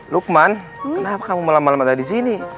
lukman kenapa kamu lama lama gak di sini